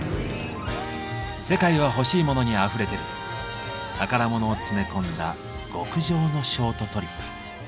「世界はほしいモノにあふれてる」宝物を詰め込んだ極上のショートトリップ。